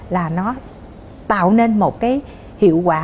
là nó tạo nên một cái hiệu quả